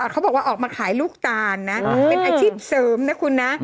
เขาบอกว่าออกมาขายลูกตาลนะเป็นอาชีพเสริมนะคุณนะ